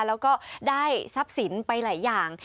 แล้วก็ได้ทรัพย์สินไปหลายอย่าง